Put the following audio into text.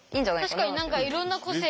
確かに何かいろんな個性。